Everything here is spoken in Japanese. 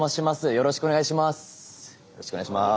よろしくお願いします。